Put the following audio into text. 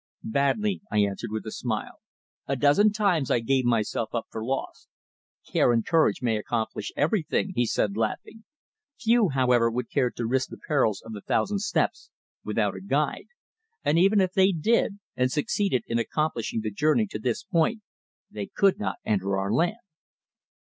"Badly," I answered with a smile. "A dozen times I gave myself up for lost." "Care and courage may accomplish everything," he said, laughing. "Few, however, would care to risk the perils of the Thousand Steps without a guide, or even if they did, and succeeded in accomplishing the journey to this point, they could not enter our land."